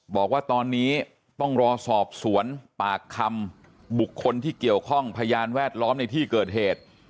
บอกว่าตอนนี้ต้องรอสอบสวนปากคำบุคคลที่เกี่ยวข้องพยานแวดล้อมในที่เกิดเหตุ